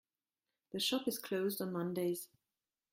The shop is closed on Mondays.